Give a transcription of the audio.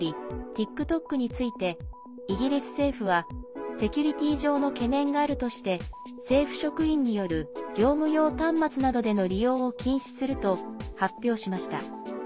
ＴｉｋＴｏｋについてイギリス政府はセキュリティー上の懸念があるとして政府職員による業務用端末などでの利用を禁止すると発表しました。